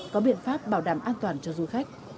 có biện pháp bảo đảm an toàn cho du khách